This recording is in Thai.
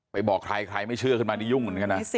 บอกใครใครไม่เชื่อขึ้นมานี่ยุ่งเหมือนกันนะ